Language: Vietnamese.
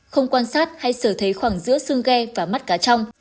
không quan sát hay sở thấy khoảng giữa xương ghe và mắt cá trong